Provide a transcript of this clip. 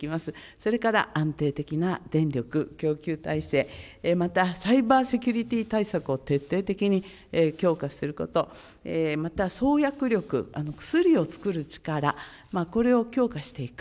それから安定的な電力供給体制、またサイバーセキュリティー対策を徹底的に強化すること、また創薬力、薬を作る力、これを強化していく。